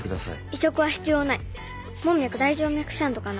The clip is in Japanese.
移植は必要ない門脈大静脈シャントかな。